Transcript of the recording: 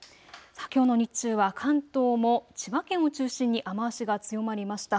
きょうの日中は関東も千葉県を中心に雨足が強まりました。